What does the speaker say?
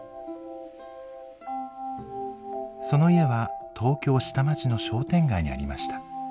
その家は東京・下町の商店街にありました。